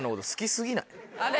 あれ？